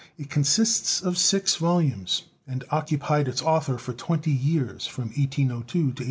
It consists of six vol umes, and occupied its author for twenty years — from 1802 to 1822.